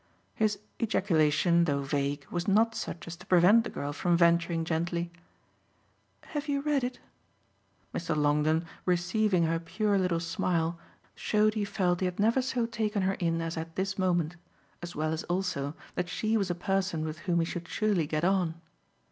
His ejaculation, though vague, was not such as to prevent the girl from venturing gently: "Have you read it?" Mr. Longdon, receiving her pure little smile, showed he felt he had never so taken her in as at this moment, as well as also that she was a person with whom he should surely get on.